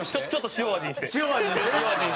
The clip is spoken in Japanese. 塩味にして。